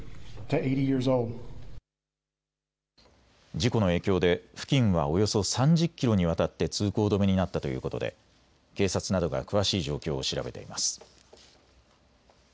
事故の影響で付近はおよそ３０キロにわたって通行止めになったということで警察などが詳しい状況を調べています。